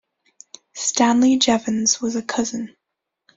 Stanley Jevons was a cousin.